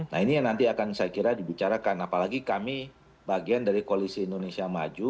nah ini yang nanti akan saya kira dibicarakan apalagi kami bagian dari koalisi indonesia maju